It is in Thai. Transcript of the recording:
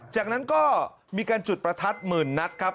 จากนั้นก็มีการจุดประทัดหมื่นนัดครับ